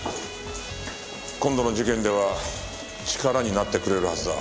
今度の事件では力になってくれるはずだ。